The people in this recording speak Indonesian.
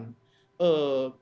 gerbong kekuatan yang berbeda